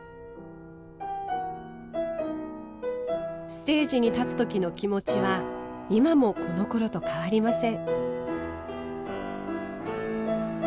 ステージに立つ時の気持ちは今もこのころと変わりません。